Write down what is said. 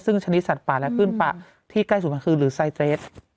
ซึ่งชนิดสัตว์ป่าและขึ้นป่าที่ใกล้สุดมันคือหรือไซเตรส